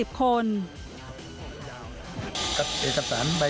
เป็นเลขา